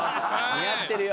似合ってるよ。